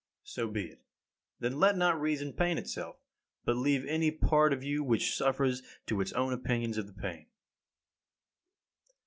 So be it; then let not reason pain itself, but leave any part of you which suffers to its own opinions of the pain.